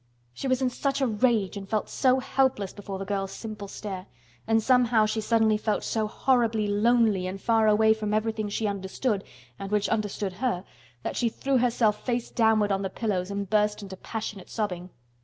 She was in such a rage and felt so helpless before the girl's simple stare, and somehow she suddenly felt so horribly lonely and far away from everything she understood and which understood her, that she threw herself face downward on the pillows and burst into passionate sobbing.